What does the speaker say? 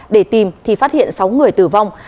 để tìm thì phát hiện sáu người tử vong